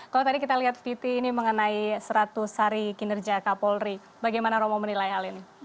kalau tadi kita lihat viti ini mengenai seratus hari kinerja kapolri bagaimana romo menilai hal ini